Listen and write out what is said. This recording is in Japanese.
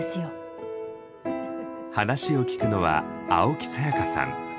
話を聞くのは青木さやかさん。